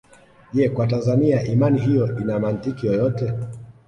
Je Kwa Tanzania imani hiyo ina mantiki yoyote